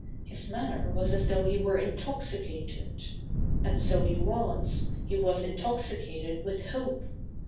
His manner was as though he were intoxicated. And so he was; he was intoxicated with hope.